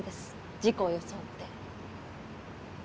事故を装って。